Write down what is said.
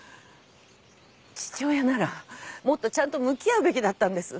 父親ならもっとちゃんと向き合うべきだったんです。